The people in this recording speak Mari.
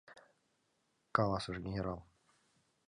— каласыш генерал.